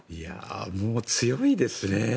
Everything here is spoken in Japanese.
もう強いですね。